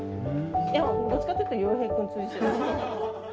いやどっちかっていうとヨウヘイ君通じて。